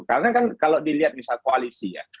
karena kan kalau dilihat misal koalisi ya